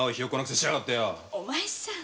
お前さん！